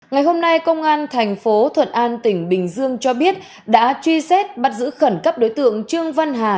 ngày hôm nay công an thành phố thuận an tỉnh bình dương cho biết đã truy xét bắt giữ khẩn cấp đối tượng trương văn hà